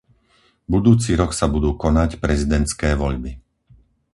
Budúci rok sa budú konať prezidentské voľby.